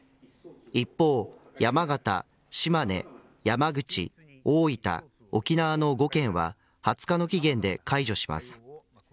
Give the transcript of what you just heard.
一方、山形、島根山口、大分沖縄の５県は２０日の期限で解除します。